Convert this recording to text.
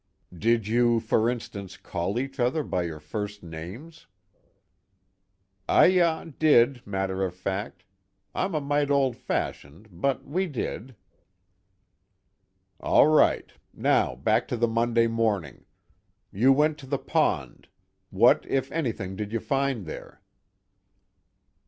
"Did you, for instance, call each other by your first names?" "Ayah, did, matter of fact. I'm a mite old fashioned, but we did." "All right. Now back to the Monday morning. You went to the pond. What if anything did you find there?"